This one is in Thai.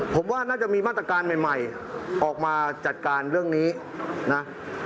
ผมว่าน่าจะมีมาตรการใหม่ออกมาจัดการเรื่องนี้นะ